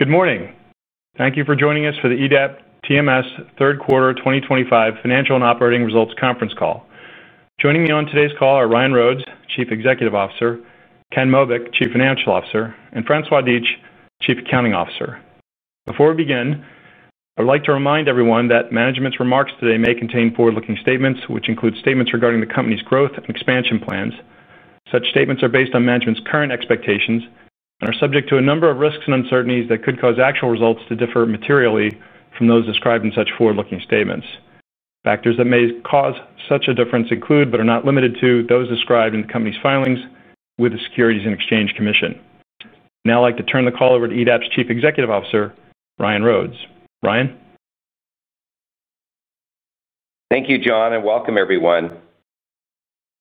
Good morning. Thank you for joining us for the EDAP TMS third quarter 2025 financial and operating results conference call. Joining me on today's call are Ryan Rhodes, Chief Executive Officer; Ken Mobeck, Chief Financial Officer; and François Dietsch, Chief Accounting Officer. Before we begin, I would like to remind everyone that management's remarks today may contain forward-looking statements, which include statements regarding the company's growth and expansion plans. Such statements are based on management's current expectations and are subject to a number of risks and uncertainties that could cause actual results to differ materially from those described in such forward-looking statements. Factors that may cause such a difference include, but are not limited to, those described in the company's filings with the Securities and Exchange Commission. Now I'd like to turn the call over to EDAP's Chief Executive Officer, Ryan Rhodes. Ryan? Thank you, John, and welcome, everyone.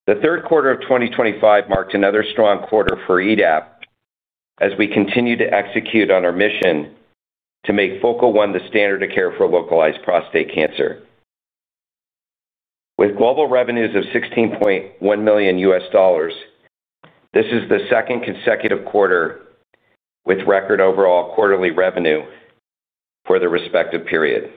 The third quarter of 2025 marked another strong quarter for EDAP as we continue to execute on our mission to make Focal One the standard of care for localized prostate cancer. With global revenues of $16.1 million, this is the second consecutive quarter with record overall quarterly revenue for the respective period.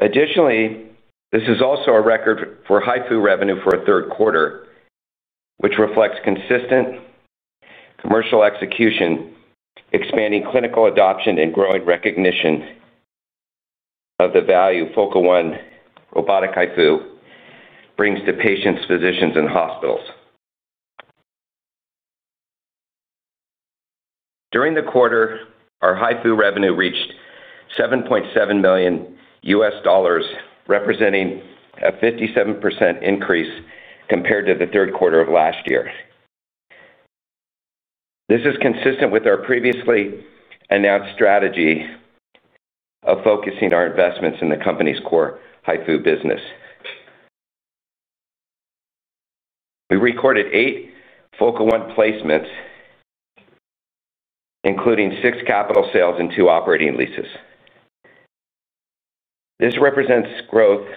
Additionally, this is also a record for HIFU revenue for a third quarter, which reflects consistent commercial execution, expanding clinical adoption, and growing recognition of the value Focal One robotic HIFU brings to patients, physicians, and hospitals. During the quarter, our HIFU revenue reached $7.7 million, representing a 57% increase compared to the third quarter of last year. This is consistent with our previously announced strategy of focusing our investments in the company's core HIFU business. We recorded eight Focal One placements, including six capital sales and two operating leases. This represents growth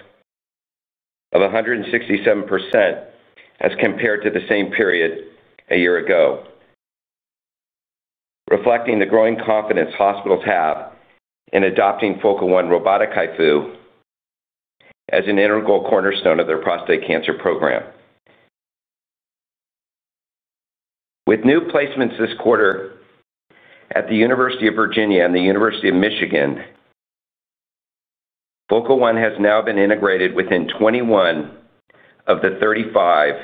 of 167% as compared to the same period a year ago, reflecting the growing confidence hospitals have in adopting Focal One robotic HIFU as an integral cornerstone of their prostate cancer program. With new placements this quarter at the University of Virginia and the University of Michigan, Focal One has now been integrated within 21 of the 35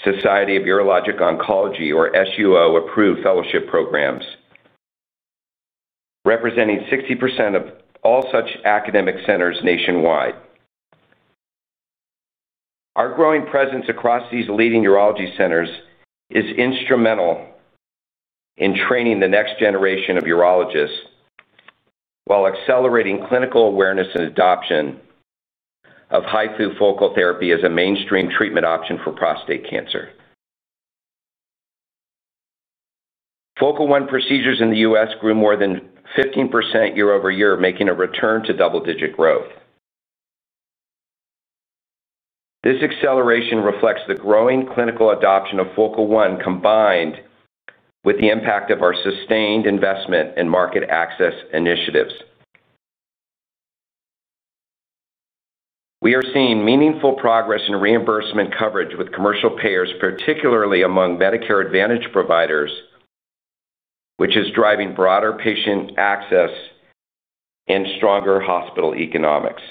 Society of Urologic Oncology, or SUO, approved fellowship programs, representing 60% of all such academic centers nationwide. Our growing presence across these leading urology centers is instrumental in training the next generation of urologists while accelerating clinical awareness and adoption of HIFU focal therapy as a mainstream treatment option for prostate cancer. Focal One procedures in the US grew more than 15% year over year, making a return to double-digit growth. This acceleration reflects the growing clinical adoption of Focal One combined with the impact of our sustained investment and market access initiatives. We are seeing meaningful progress in reimbursement coverage with commercial payers, particularly among Medicare Advantage providers, which is driving broader patient access and stronger hospital economics.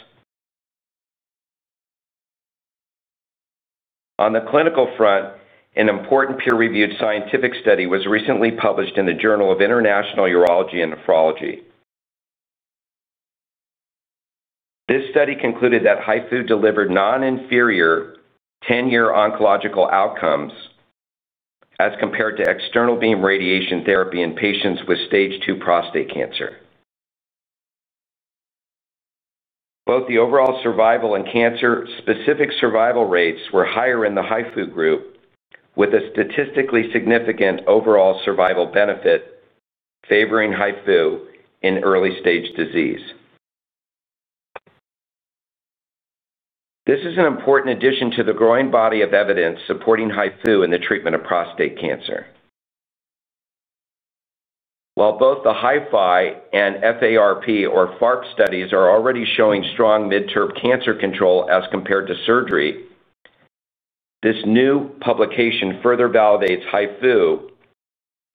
On the clinical front, an important peer-reviewed scientific study was recently published in the Journal of International Urology and Nephrology. This study concluded that HIFU delivered non-inferior 10-year oncological outcomes as compared to external beam radiation therapy in patients with stage II prostate cancer. Both the overall survival and cancer-specific survival rates were higher in the HIFU group, with a statistically significant overall survival benefit favoring HIFU in early-stage disease. This is an important addition to the growing body of evidence supporting HIFU in the treatment of prostate cancer. While both the HIFU and FARP, or FARP, studies are already showing strong mid-term cancer control as compared to surgery, this new publication further validates HIFU,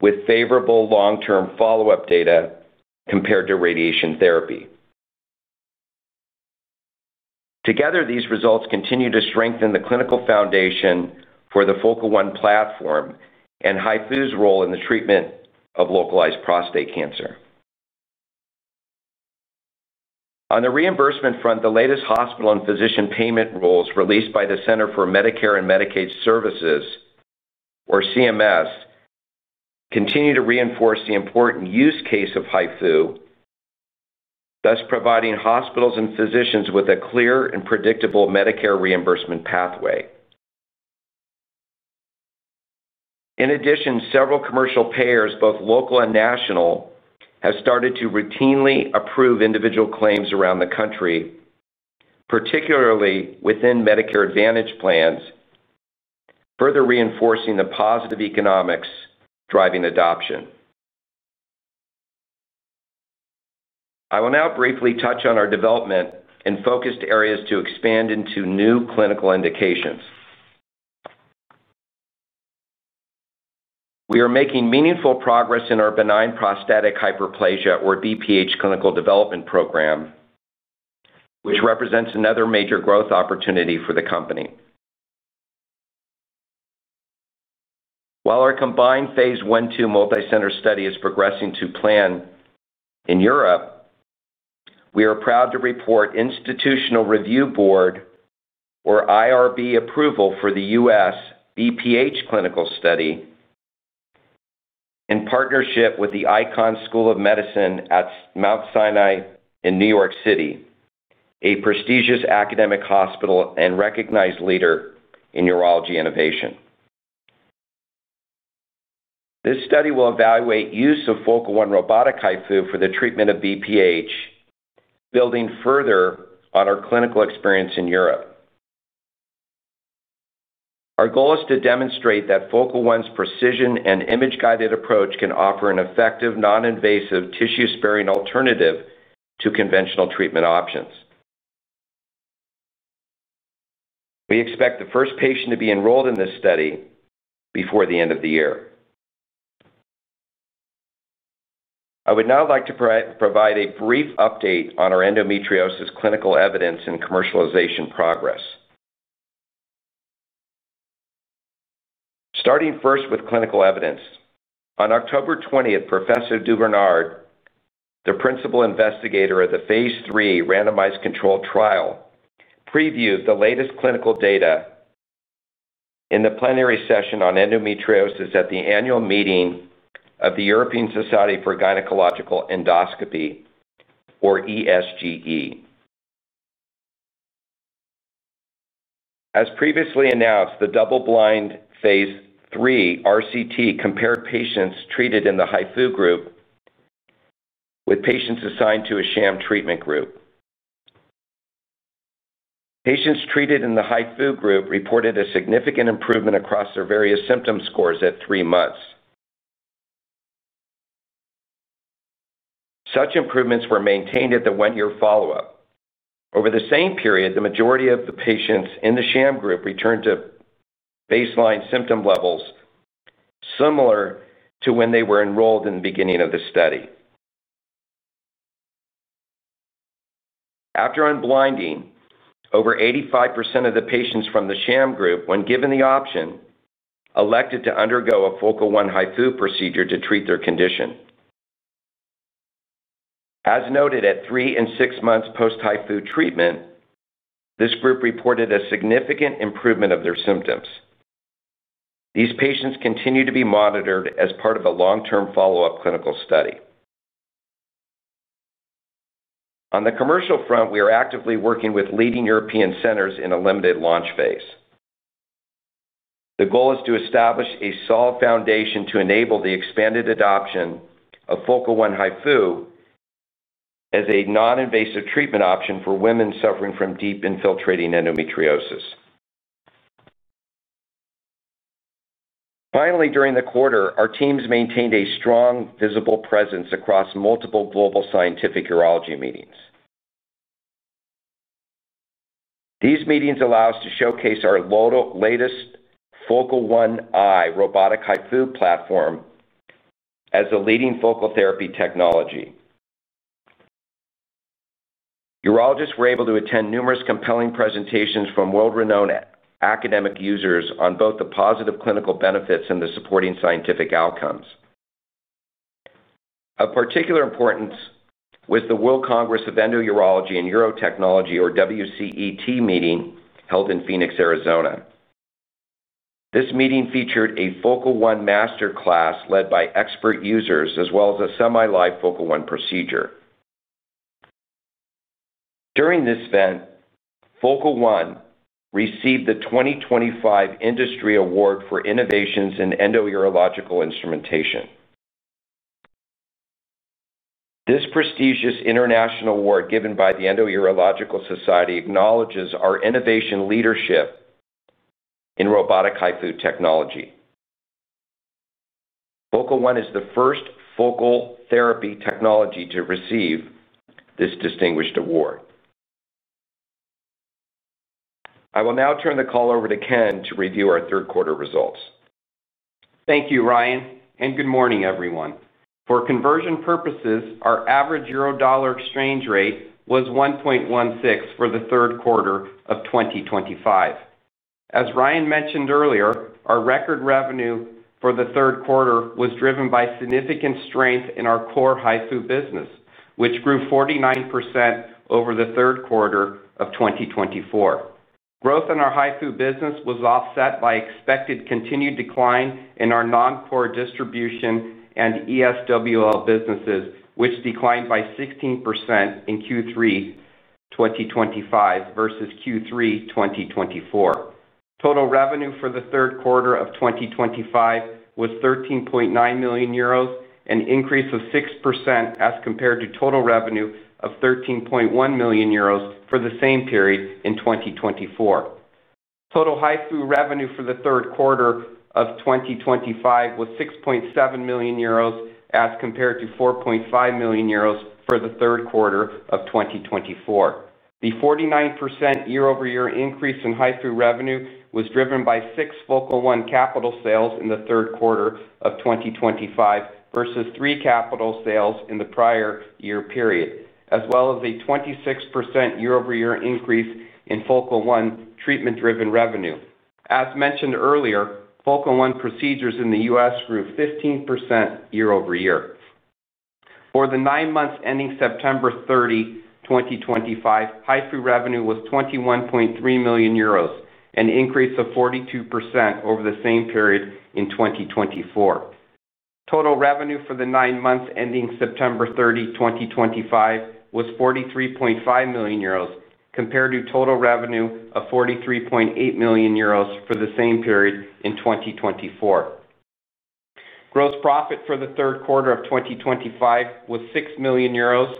with favorable long-term follow-up data compared to radiation therapy. Together, these results continue to strengthen the clinical foundation for the Focal One platform and HIFU's role in the treatment of localized prostate cancer. On the reimbursement front, the latest hospital and physician payment rules released by the Center for Medicare and Medicaid Services, or CMS, continue to reinforce the important use case of HIFU, thus providing hospitals and physicians with a clear and predictable Medicare reimbursement pathway. In addition, several commercial payers, both local and national, have started to routinely approve individual claims around the country, particularly within Medicare Advantage plans, further reinforcing the positive economics driving adoption. I will now briefly touch on our development and focused areas to expand into new clinical indications. We are making meaningful progress in our benign prostatic hyperplasia, or BPH, clinical development program, which represents another major growth opportunity for the company. While our combined phase one to multi-center study is progressing to plan in Europe, we are proud to report Institutional Review Board, or IRB, approval for the US BPH clinical study in partnership with the Icahn School of Medicine at Mount Sinai in New York City, a prestigious academic hospital and recognized leader in urology innovation. This study will evaluate the use of Focal One robotic HIFU for the treatment of BPH, building further on our clinical experience in Europe. Our goal is to demonstrate that Focal One's precision and image-guided approach can offer an effective, non-invasive, tissue-sparing alternative to conventional treatment options. We expect the first patient to be enrolled in this study before the end of the year. I would now like to provide a brief update on our endometriosis clinical evidence and commercialization progress. Starting first with clinical evidence, on October 20, Professor DuBernard, the principal investigator of the phase three randomized control trial, previewed the latest clinical data in the plenary session on endometriosis at the annual meeting of the European Society for Gynecological Endoscopy, or ESGE. As previously announced, the double-blind phase three RCT compared patients treated in the HIFU group with patients assigned to a sham treatment group. Patients treated in the HIFU group reported a significant improvement across their various symptom scores at three months. Such improvements were maintained at the one-year follow-up. Over the same period, the majority of the patients in the sham group returned to baseline symptom levels. Similar to when they were enrolled in the beginning of the study. After unblinding, over 85% of the patients from the sham group, when given the option, elected to undergo a Focal One HIFU procedure to treat their condition. As noted, at three and six months post-HIFU treatment, this group reported a significant improvement of their symptoms. These patients continue to be monitored as part of a long-term follow-up clinical study. On the commercial front, we are actively working with leading European centers in a limited launch phase. The goal is to establish a solid foundation to enable the expanded adoption of Focal One HIFU as a non-invasive treatment option for women suffering from deep infiltrating endometriosis. Finally, during the quarter, our teams maintained a strong visible presence across multiple global scientific urology meetings. These meetings allow us to showcase our latest Focal One robotic HIFU platform. As a leading focal therapy technology, urologists were able to attend numerous compelling presentations from world-renowned academic users on both the positive clinical benefits and the supporting scientific outcomes. Of particular importance was the World Congress of Endourology and Uro Technology, or WCET, meeting held in Phoenix, Arizona. This meeting featured a Focal One master class led by expert users, as well as a semi-live Focal One procedure. During this event, Focal One received the 2025 Industry Award for Innovations in Endourological Instrumentation. This prestigious international award given by the Endourological Society acknowledges our innovation leadership in robotic HIFU technology. Focal One is the first focal therapy technology to receive this distinguished award. I will now turn the call over to Ken to review our third quarter results. Thank you, Ryan, and good morning, everyone. For conversion purposes, our average euro dollar exchange rate was 1.16 for the third quarter of 2025. As Ryan mentioned earlier, our record revenue for the third quarter was driven by significant strength in our core HIFU business, which grew 49% over the third quarter of 2024. Growth in our HIFU business was offset by expected continued decline in our non-core distribution and ESWL businesses, which declined by 16% in Q3 2025 versus Q3 2024. Total revenue for the third quarter of 2025 was 13.9 million euros, an increase of 6% as compared to total revenue of 13.1 million euros for the same period in 2024. Total HIFU revenue for the third quarter of 2025 was 6.7 million euros as compared to 4.5 million euros for the third quarter of 2024. The 49% year-over-year increase in HIFU revenue was driven by six Focal One capital sales in the third quarter of 2025 versus three capital sales in the prior year period, as well as a 26% year-over-year increase in Focal One treatment-driven revenue. As mentioned earlier, Focal One procedures in the U.S. grew 15% year-over-year. For the nine months ending September 30, 2025, HIFU revenue was 21.3 million euros, an increase of 42% over the same period in 2024. Total revenue for the nine months ending September 30, 2025, was 43.5 million euros compared to total revenue of 43.8 million euros for the same period in 2024. Gross profit for the third quarter of 2025 was 6 million euros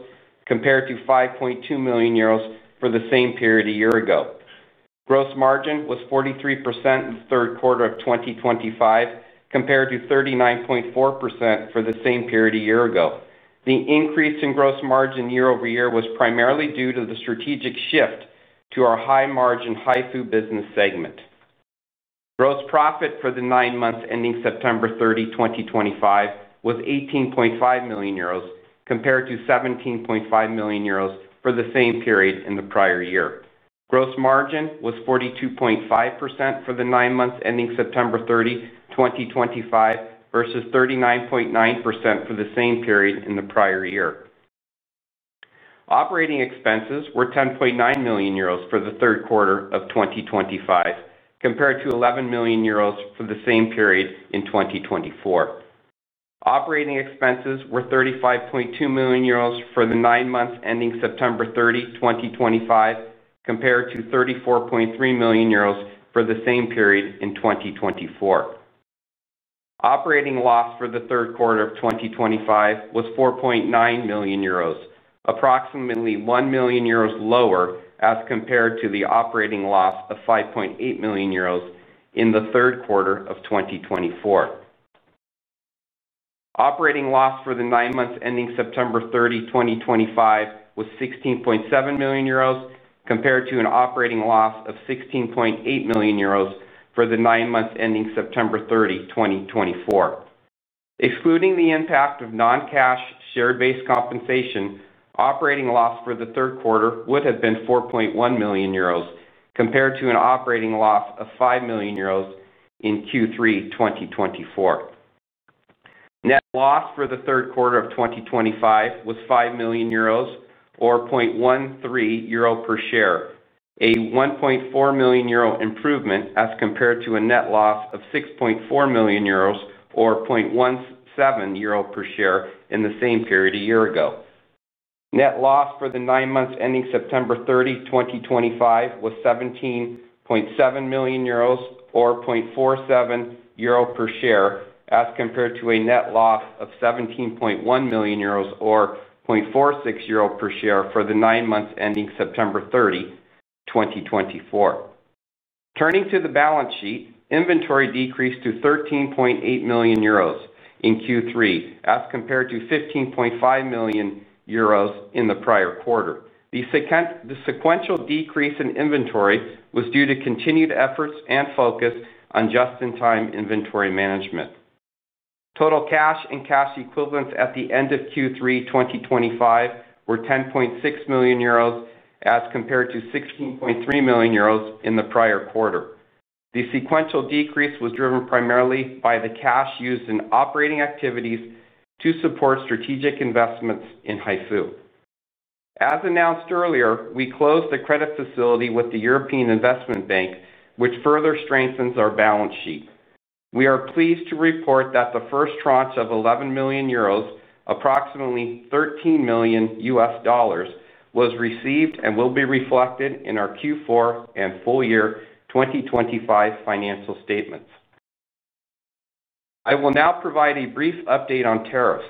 compared to 5.2 million euros for the same period a year ago. Gross margin was 43% in the third quarter of 2025 compared to 39.4% for the same period a year ago. The increase in gross margin year-over-year was primarily due to the strategic shift to our high-margin HIFU business segment. Gross profit for the nine months ending September 30, 2025, was 18.5 million euros compared to 17.5 million euros for the same period in the prior year. Gross margin was 42.5% for the nine months ending September 30, 2025, versus 39.9% for the same period in the prior year. Operating expenses were 10.9 million euros for the third quarter of 2025 compared to 11 million euros for the same period in 2024. Operating expenses were 35.2 million euros for the nine months ending September 30, 2025, compared to 34.3 million euros for the same period in 2024. Operating loss for the third quarter of 2025 was 4.9 million euros, approximately 1 million euros lower as compared to the operating loss of 5.8 million euros in the third quarter of 2024. Operating loss for the nine months ending September 30, 2025, was 16.7 million euros compared to an operating loss of 16.8 million euros for the nine months ending September 30, 2024. Excluding the impact of non-cash share-based compensation, operating loss for the third quarter would have been 4.1 million euros compared to an operating loss of 5 million euros in Q3 2024. Net loss for the third quarter of 2025 was 5 million euros or 0.13 euro per share, a 1.4 million euro improvement as compared to a net loss of 6.4 million euros or 0.17 euro per share in the same period a year ago. Net loss for the nine months ending September 30, 2025, was 17.7 million euros or 0.47 euro per share as compared to a net loss of 17.1 million euros or 0.46 euro per share for the nine months ending September 30, 2024. Turning to the balance sheet, inventory decreased to 13.8 million euros in Q3 as compared to 15.5 million euros in the prior quarter. The sequential decrease in inventory was due to continued efforts and focus on just-in-time inventory management. Total cash and cash equivalents at the end of Q3 2025 were 10.6 million euros as compared to 16.3 million euros in the prior quarter. The sequential decrease was driven primarily by the cash used in operating activities to support strategic investments in HIFU. As announced earlier, we closed the credit facility with the European Investment Bank, which further strengthens our balance sheet. We are pleased to report that the first tranche of 11 million euros, approximately $13 million, was received and will be reflected in our Q4 and full-year 2025 financial statements. I will now provide a brief update on tariffs.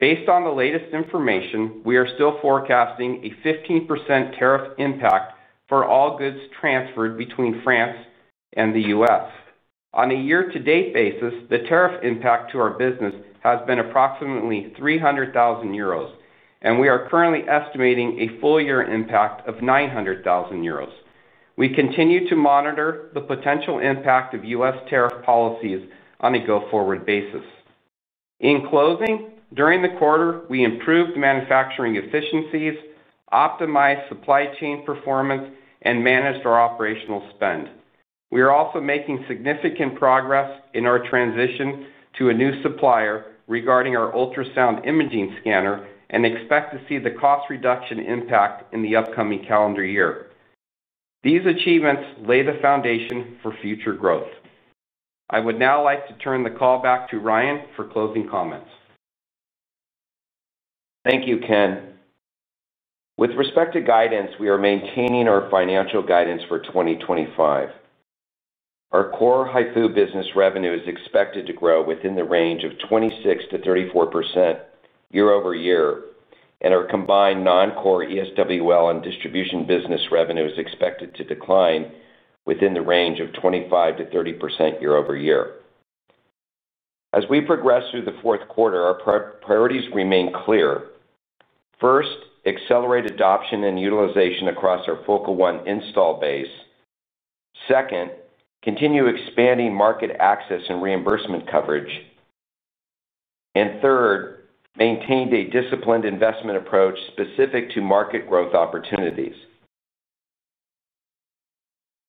Based on the latest information, we are still forecasting a 15% tariff impact for all goods transferred between France and the US. On a year-to-date basis, the tariff impact to our business has been approximately 300,000 euros, and we are currently estimating a full-year impact of 900,000 euros. We continue to monitor the potential impact of US tariff policies on a go-forward basis. In closing, during the quarter, we improved manufacturing efficiencies, optimized supply chain performance, and managed our operational spend. We are also making significant progress in our transition to a new supplier regarding our ultrasound imaging scanner and expect to see the cost reduction impact in the upcoming calendar year. These achievements lay the foundation for future growth. I would now like to turn the call back to Ryan for closing comments. Thank you, Ken. With respect to guidance, we are maintaining our financial guidance for 2025. Our core HIFU business revenue is expected to grow within the range of 26%-34% year-over-year, and our combined non-core ESWL and distribution business revenue is expected to decline within the range of 25%-30% year-over-year. As we progress through the fourth quarter, our priorities remain clear. First, accelerate adoption and utilization across our Focal One install base. Second, continue expanding market access and reimbursement coverage. Third, maintain a disciplined investment approach specific to market growth opportunities.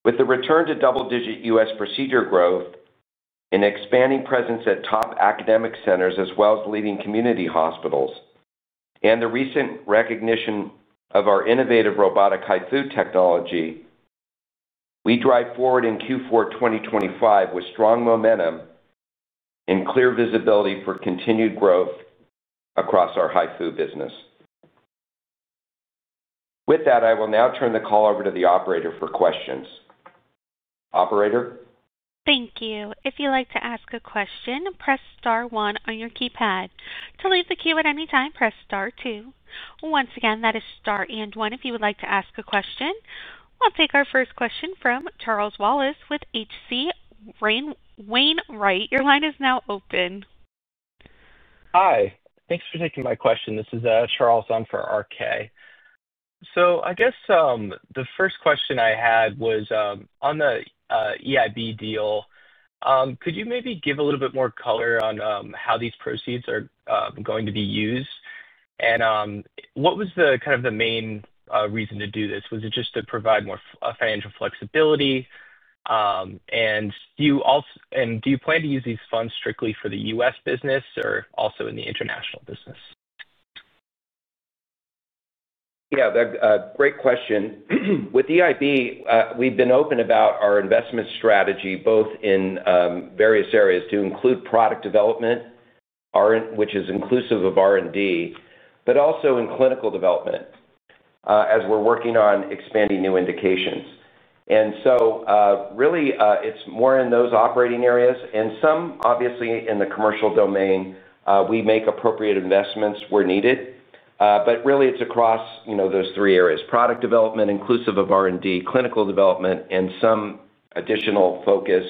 With the return to double-digit US procedure growth, expanding presence at top academic centers as well as leading community hospitals, and the recent recognition of our innovative robotic HIFU technology, we drive forward in Q4 2025 with strong momentum and clear visibility for continued growth across our HIFU business. With that, I will now turn the call over to the operator for questions. Operator. Thank you. If you'd like to ask a question, press Star one on your keypad. To leave the queue at any time, press Star two. Once again, that is Star and one if you would like to ask a question. I'll take our first question from Charles Wallace with H.C. Wainwright. Your line is now open. Hi. Thanks for taking my question. This is Charles on for RK. I guess the first question I had was on the EIB deal. Could you maybe give a little bit more color on how these proceeds are going to be used? What was kind of the main reason to do this? Was it just to provide more financial flexibility? Do you plan to use these funds strictly for the US business or also in the international business? Yeah, great question. With EIB, we've been open about our investment strategy both in various areas to include product development, which is inclusive of R&D, but also in clinical development, as we're working on expanding new indications. It is more in those operating areas and some, obviously, in the commercial domain. We make appropriate investments where needed. It is across those three areas: product development, inclusive of R&D, clinical development, and some additional focus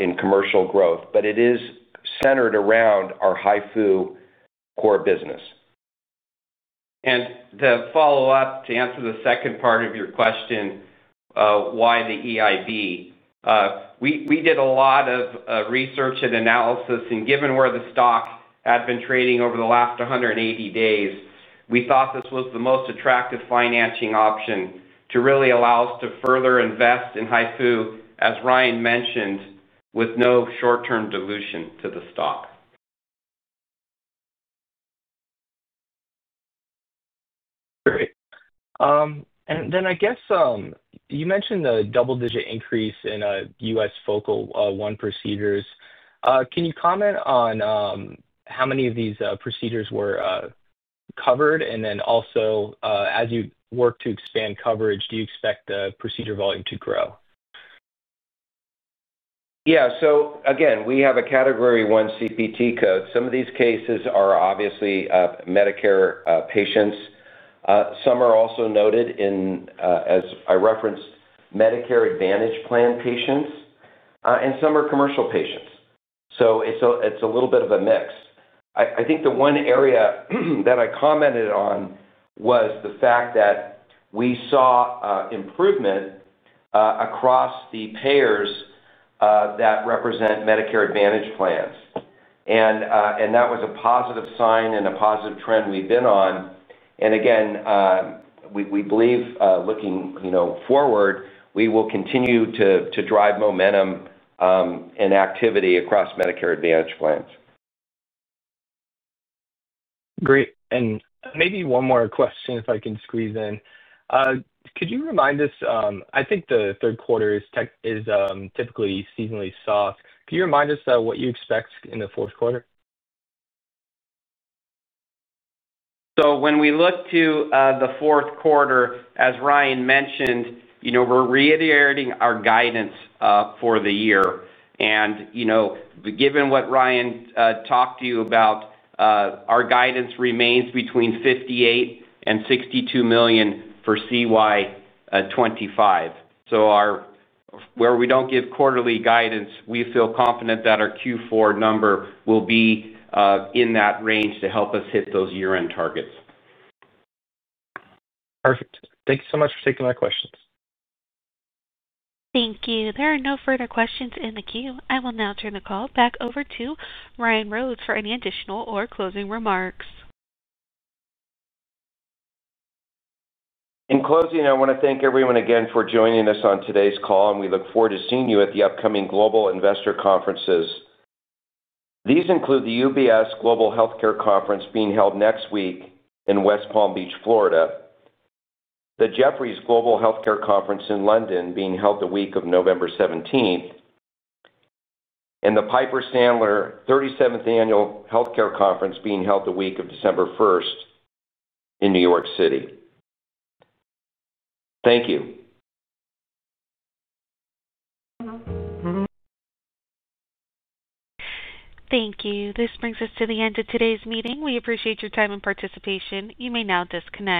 in commercial growth. It is centered around our HIFU core business. To follow up, to answer the second part of your question, why the EIB? We did a lot of research and analysis, and given where the stock had been trading over the last 180 days, we thought this was the most attractive financing option to really allow us to further invest in HIFU, as Ryan mentioned, with no short-term dilution to the stock. Great. I guess you mentioned the double-digit increase in US Focal One procedures. Can you comment on how many of these procedures were covered? Also, as you work to expand coverage, do you expect the procedure volume to grow? Yeah. Again, we have a category I CPT code. Some of these cases are obviously Medicare patients. Some are also noted in, as I referenced, Medicare Advantage plan patients, and some are commercial patients. It is a little bit of a mix. I think the one area that I commented on was the fact that we saw improvement across the payers that represent Medicare Advantage plans. That was a positive sign and a positive trend we have been on. Again, we believe, looking forward, we will continue to drive momentum and activity across Medicare Advantage plans. Great. Maybe one more question, if I can squeeze in. Could you remind us? I think the third quarter is typically seasonally soft. Could you remind us what you expect in the fourth quarter? When we look to the fourth quarter, as Ryan mentioned, we're reiterating our guidance for the year. Given what Ryan talked to you about, our guidance remains between $58 million and $62 million for CY 2025. Where we don't give quarterly guidance, we feel confident that our Q4 number will be in that range to help us hit those year-end targets. Perfect. Thank you so much for taking our questions. Thank you. There are no further questions in the queue. I will now turn the call back over to Ryan Rhodes for any additional or closing remarks. In closing, I want to thank everyone again for joining us on today's call, and we look forward to seeing you at the upcoming Global Investor Conferences. These include the UBS Global Healthcare Conference being held next week in West Palm Beach, Florida. The Jefferies Global Healthcare Conference in London being held the week of November 17th. The Piper Sandler 37th Annual Healthcare Conference being held the week of December 1st in New York City. Thank you. Thank you. This brings us to the end of today's meeting. We appreciate your time and participation. You may now disconnect.